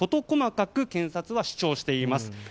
細かく検察は主張しています。